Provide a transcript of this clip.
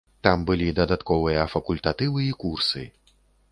Там былі дадатковыя факультатывы і курсы.